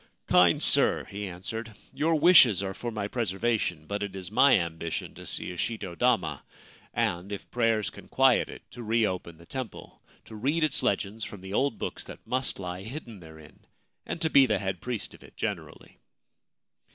' Kind sir/ he answered, c your wishes are for my preservation ; but it is my ambition to see a shito dama, and, if prayers can quiet it, to reopen the temple, to read its legends from the old books that must lie hidden therein, and to be the head priest of it generally.'